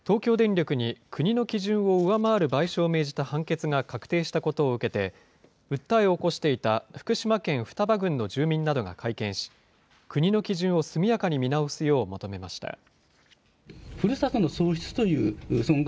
東京電力に国の基準を上回る賠償を命じた判決が確定したことを受けて、訴えを起こしていた福島県双葉郡の住民などが会見し、国の基準を速やかに見直すよう求めました。